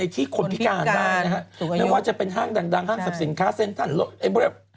ที่มีการว่าจะร่างดังร่างสรรค์สินค้าเรียบร้อย